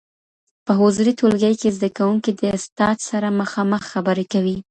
په حضوري ټولګي کي زده کوونکي د استاد سره مخامخ خبرې کوي.